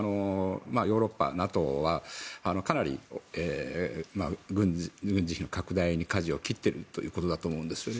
ヨーロッパ、ＮＡＴＯはかなり軍事費の拡大にかじを切っているということだと思うんですよね。